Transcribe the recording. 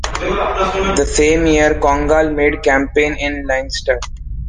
The same year, Congal made campaign in Leinster.